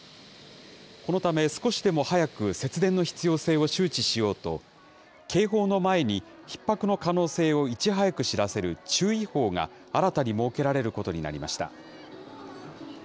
このため、少しでも早く節電の必要性を周知しようと、警報の前に、ひっ迫の可能性をいち早く知らせる注意報が新たに設けられることになりました。